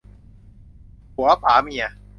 ผัวป๋าเมีย